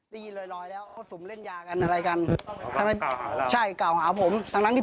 แล้วก็สูมเล่นยากันอะไรกันอะไรกล่าวหาผมซึ่งทั้งนั้นที่